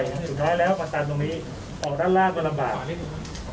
สุดท้ายแล้วมันตัดตรงนี้ออกทางล่าเมียโดยลำบาก